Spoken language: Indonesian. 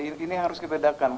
ini yang harus kita bedakan